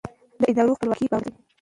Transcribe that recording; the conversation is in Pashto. د ادارو خپلواکي باور زیاتوي